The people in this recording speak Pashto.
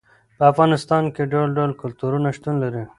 په افغانستان کې ډول ډول کلتورونه شتون لري.